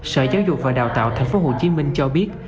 sở giáo dục và đào tạo tp hcm cho biết